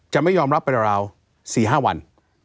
จะไม่ยอมรับไปเดี๋ยวเราสี่ห้าวัน